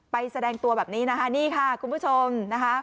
แสดงตัวแบบนี้นะคะนี่ค่ะคุณผู้ชมนะคะ